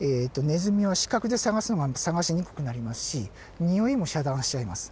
ネズミは視覚で探すのが探しにくくなりますしにおいも遮断しちゃいます。